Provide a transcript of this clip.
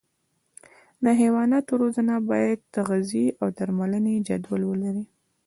د حیواناتو روزنه باید د تغذیې او درملنې جدول ولري.